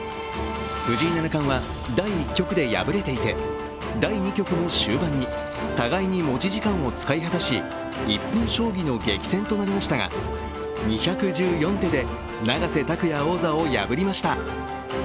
藤井七冠は第１局で敗れていて第２局の終盤に互いに持ち時間を使い果たし、１分将棋の激戦となりましたが、２１４手で永瀬拓矢王座を破りました。